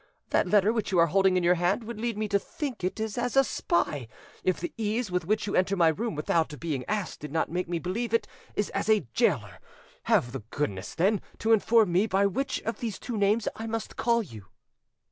That letter which you are holding in your hand would lead me to think it is as a spy, if the ease with which you enter my room without being asked did not make me believe it is as a gaoler. Have the goodness, then, to inform me by which of these two names I must call you."